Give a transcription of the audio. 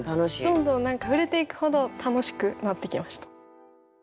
どんどん何か触れていくほど楽しくなってきました。